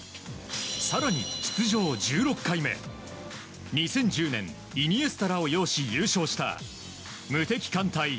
更に出場１６回目２０１０年、イニエスタらを擁し優勝した無敵艦隊